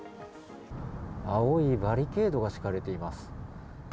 青いバリケードが敷かれています。